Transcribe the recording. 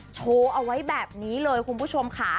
โชว์เอาไว้แบบนี้เลยคุณผู้ชมค่ะ